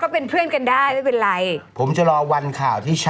ก็ดูสิครูหรือเปล่าดูแต่งตัวเปรี้ยวเว้ย